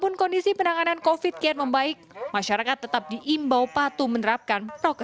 uji tangan jaga acara bengkoki